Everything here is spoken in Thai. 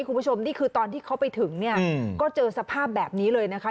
คุณผู้ชมนี่คือตอนที่เขาไปถึงเนี่ยก็เจอสภาพแบบนี้เลยนะคะ